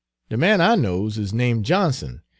De man I knows is name' Johnson.